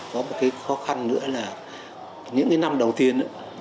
có một cái khó khăn nữa là những cái năm đầu tiên